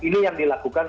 ini yang dilakukan